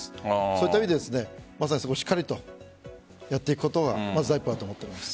そういった意味でまさにそこをしっかりとやっていくことが第一歩だと思っております。